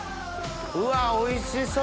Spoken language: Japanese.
うわおいしそう！